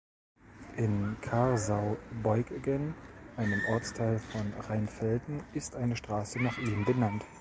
In Karsau-Beuggen, einem Ortsteil von Rheinfelden, ist eine Straße nach ihm benannt.